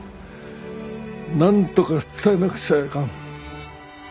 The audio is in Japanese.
なんとか伝えなくちゃいかん。